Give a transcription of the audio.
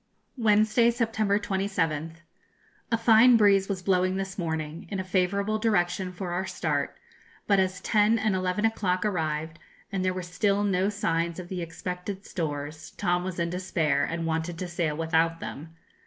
Wednesday, September 27th. A fine breeze was blowing this morning, in a favourable direction for our start, but as ten and eleven o'clock arrived, and there were still no signs of the expected stores, Tom was in despair, and wanted to sail without them.